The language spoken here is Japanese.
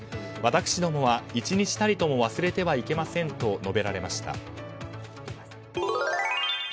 私どもは１日たりとも忘れてはいけませんと述べられました。